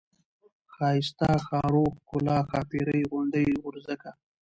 ښايسته ، ښارو ، ښکلا ، ښاپيرۍ ، غونډۍ ، غورځکه ،